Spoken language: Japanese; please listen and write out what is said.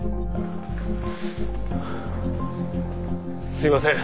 すいません。